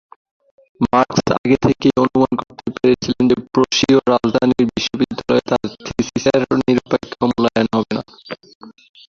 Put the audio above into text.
Marks আগে থেকেই অনুমান করতে পেরেছিলেন যে প্রুশীয় রাজধানীর বিশ্ববিদ্যালয়ে তার থিসিসের নিরপেক্ষ মূল্যায়ন হবে না।